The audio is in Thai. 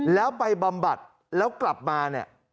แล้วไปบำบัดแล้วกลับมาเนี่ย